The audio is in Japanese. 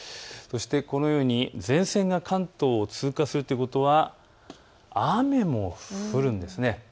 このように前線が関東を通過するということは雨も降るんです。